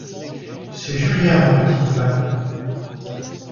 C'est Julien mon petit copain.